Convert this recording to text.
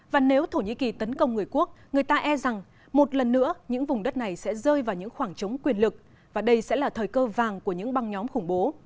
và nếu thổ nhĩ kỳ tấn công người quốc người ta e rằng một lần nữa những vùng đất này sẽ rơi vào những khoảng trống quyền lực và đây sẽ là thời cơ vàng của những băng nhóm khủng bố